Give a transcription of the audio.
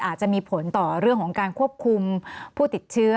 อาจจะมีผลต่อเรื่องของการควบคุมผู้ติดเชื้อ